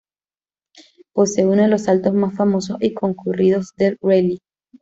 Posee uno de los saltos más famosos y concurridos del rally.